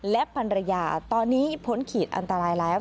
และภรรยาตอนนี้พ้นขีดอันตรายแล้ว